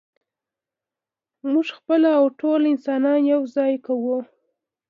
موږ خپله او ټول انسانان یو ځای کوو.